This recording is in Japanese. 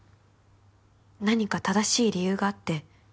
「何か正しい理由があって」